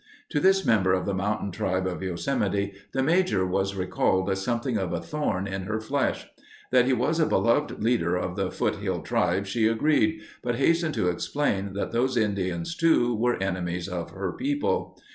To this member of the mountain tribe of Yosemite the Major was recalled as something of a thorn in her flesh. That he was a beloved leader of the foothill tribes she agreed, but hastened to explain that those Indians, too, were enemies of her people.